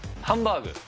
ハンバーグ？